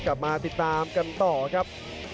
กลับมาติดตามกันต่อครับ